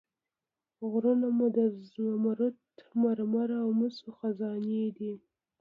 غرونه مو د زمرد، مرمر او مسو خزانې دي.